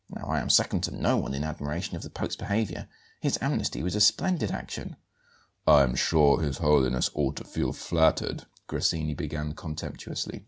Now, I am second to no one in admiration of the Pope's behaviour; the amnesty was a splendid action." "I am sure His Holiness ought to feel flattered " Grassini began contemptuously.